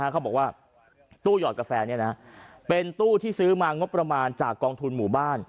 เขาบอกว่าตู้หยอดกาแฟเป็นตู้ที่ซื้อมางบประมาณจากกองทุนหมู่บ้าน